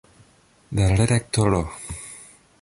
La redaktoro.